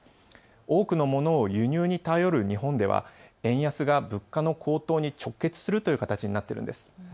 多くのものを輸入に頼る日本では円安が物価の高騰に直結するという形になっているんです。